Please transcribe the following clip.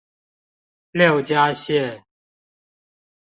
六家線